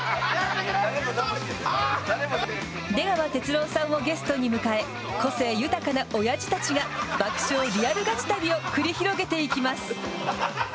出川哲朗さんをゲストに迎え個性豊かなおやじたちが爆笑リアルガチ旅を繰り広げていきます。